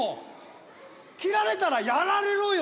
斬られたらやられろよ！